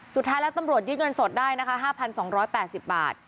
สุดท้ายแล้วตำรวจยืดเงินสดได้นะคะห้าพันสองร้อยแปดสิบบาท